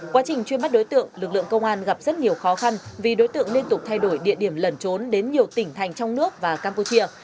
quá trình truy bắt đối tượng lực lượng công an gặp rất nhiều khó khăn vì đối tượng liên tục thay đổi địa điểm lẩn trốn đến nhiều tỉnh thành trong nước và campuchia